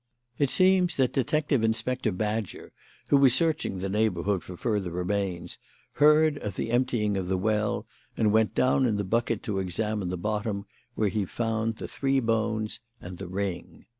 It seems that Detective Inspector Badger, who was searching the neighbourhood for further remains, heard of the emptying of the well and went down in the bucket to examine the bottom, where he found the three bones and the ring.